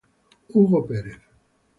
Hugo Pérez